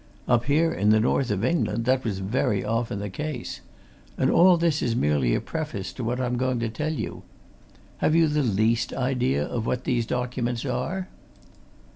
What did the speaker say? Up here in the North of England that was very often the case. And all this is merely a preface to what I'm going to tell you. Have you the least idea of what these documents are?"